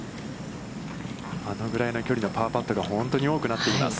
あのぐらいの距離のパーパットが本当に多くなっています。